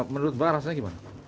menurut pak rasanya gimana